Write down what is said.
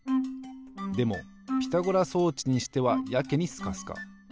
でもピタゴラ装置にしてはやけにスカスカ。